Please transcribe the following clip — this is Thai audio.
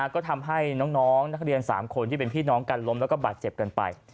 ก็ทำให้น้องนักเรียน๓คนที่เป็นพี่น้องกันล้มแล้วก็บาดเจ็บกันไป